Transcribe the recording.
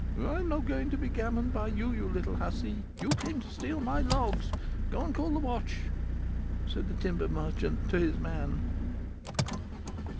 "'I'm not to be gammoned by you, you little hussy! You came to steal my logs. Go and call the watch,' said the timber merchant to his man."